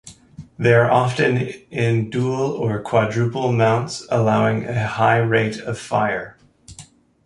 They are often in dual or quadruple mounts, allowing a high rate of fire.